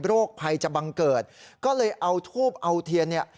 ภัยจะบังเกิดก็เลยเอาทูบเอาเทียนเนี่ย